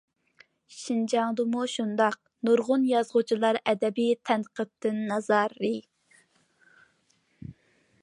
شىنجاڭدىمۇ شۇنداق، نۇرغۇن يازغۇچىلار ئەدەبىي تەنقىدتىن نارازى.